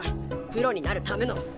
プロになるための。